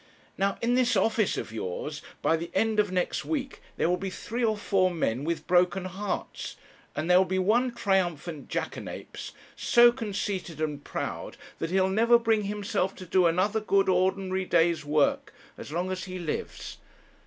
Now in this office of yours, by the end of next week, there will be three or four men with broken hearts, and there will be one triumphant jackanapes, so conceited and proud, that he'll never bring himself to do another good ordinary day's work as long as he lives.